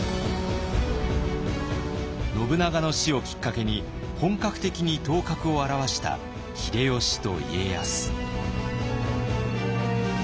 信長の死をきっかけに本格的に頭角を現した秀吉と家康。